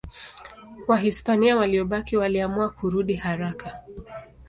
Wahispania waliobaki waliamua kurudi haraka.